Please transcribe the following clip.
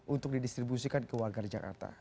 untuk di distribusikan ke warga jakarta